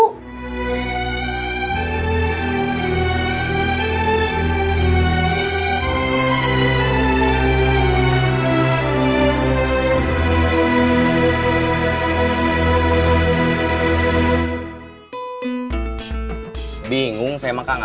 kayanya kita harus ke grewing